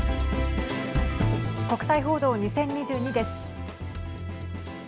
国際報道２０２２です。